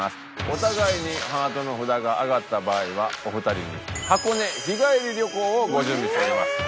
お互いにハートの札が上がった場合はお二人に箱根日帰り旅行をご準備しております。